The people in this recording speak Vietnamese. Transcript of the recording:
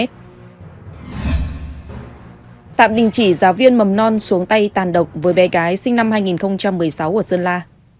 tạm đình chỉ giáo viên mầm non xuống tay tàn độc với bé gái sinh năm hai nghìn một mươi sáu ở sơn la